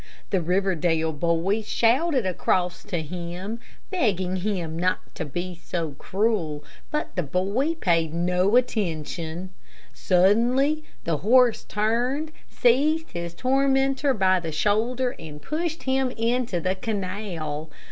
The Riverdale boy shouted across to him, begging him not to be so cruel; but the boy paid no attention. Suddenly the horse turned, seized his tormentor by the shoulder, and pushed him into the canal.